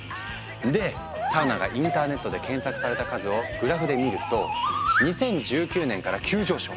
でサウナがインターネットで検索された数をグラフで見ると２０１９年から急上昇。